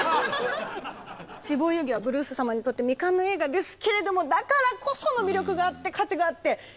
「死亡遊戯」はブルース様にとって未完の映画ですけれどもだからこその魅力があって価値があっていとおしい。